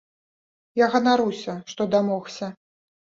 Я ганаруся, што дамогся.